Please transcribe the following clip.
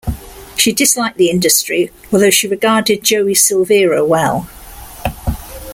She disliked the industry, although she regarded Joey Silvera well.